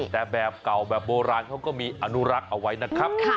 แต่แบบเก่าแบบโบราณเขาก็มีอนุรักษ์เอาไว้นะครับ